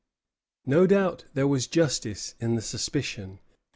No doubt there was justice in the suspicion.